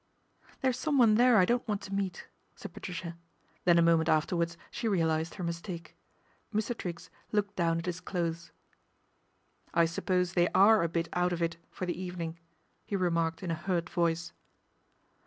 ' There's someone there I don't want to meet," said Patricia, then a moment afterwards she realised her mistake. Mr. Triggs looked down at his clothes. " I suppose they are a bit out of it for the evening," he remarked in a hurt voice.